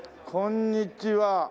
こんにちは。